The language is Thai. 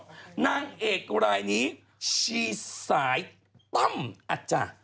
มันต้องเอียกรายนี้ชีศายตำอาจจะ